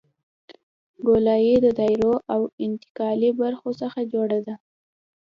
ګولایي د دایروي او انتقالي برخو څخه جوړه ده